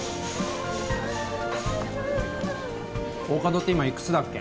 大加戸って今いくつだっけ？